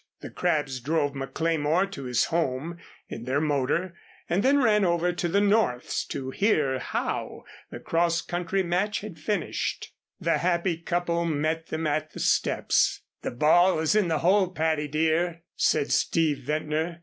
The Crabbs drove McLemore to his home in their motor and then ran over to the Norths to hear how the cross country match had finished. The happy couple met them at the steps. "The ball is in the hole, Patty, dear," said Steve Ventnor.